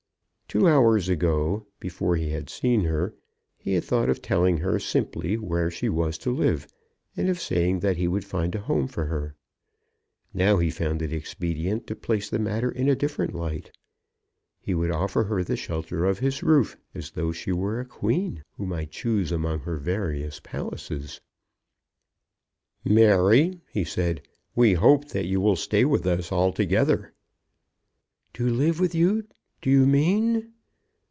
Two hours ago, before he had seen her, he had thought of telling her simply where she was to live, and of saying that he would find a home for her. Now he found it expedient to place the matter in a different light. He would offer her the shelter of his roof as though she were a queen who might choose among her various palaces. "Mary," he said, "we hope that you will stay with us altogether." "To live with you, do you mean?"